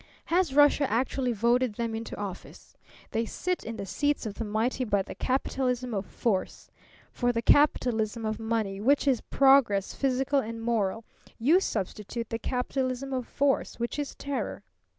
Has Russia actually voted them into office? They sit in the seats of the mighty by the capitalism of force. For the capitalism of money, which is progress physical and moral, you substitute the capitalism of force, which is terror.